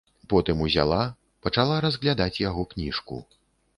Потым узяла, пачала разглядаць яго кніжку.